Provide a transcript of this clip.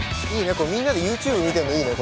これみんなでＹｏｕＴｕｂｅ見てもいいね。